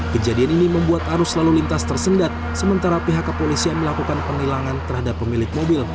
kejadian ini membuat arus lalu lintas tersendat sementara pihak kepolisian melakukan penilangan terhadap pemilik mobil